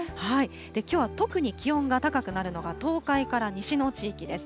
きょうは特に気温が高くなるのが東海から西の地域です。